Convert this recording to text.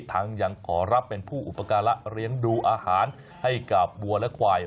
ทั้งยังขอรับเป็นผู้อุปการะเลี้ยงดูอาหารให้กับวัวและควาย